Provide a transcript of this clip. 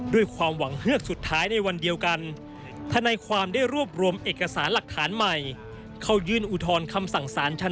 ด้วยความหวังเหือกสุดท้ายในวันเดียวกัน